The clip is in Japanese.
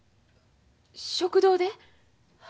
食堂で？